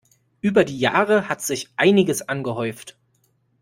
Über die Jahre hat sich einiges angehäuft.